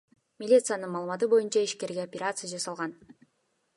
Милициянын маалыматы боюнча, ишкерге операция жасалган.